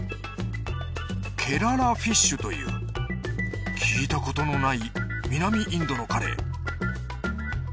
ケララフィッシュという聞いたことのない南インドのカレー。